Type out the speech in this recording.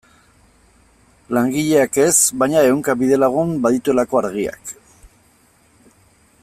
Langileak ez, baina ehunka bidelagun badituelako Argiak.